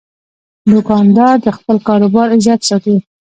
دوکاندار د خپل کاروبار عزت ساتي.